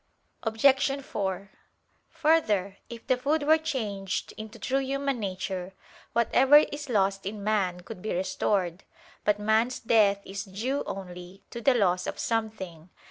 Obj. 4: Further, if the food were changed into true human nature, whatever is lost in man could be restored. But man's death is due only to the loss of something.